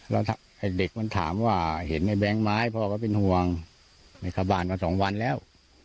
แล้วเด็กมันถามว่าเห็นในแบงค์ไหมพ่อก็เป็นห่วงไม่เข้าบ้านมาสองวันแล้ว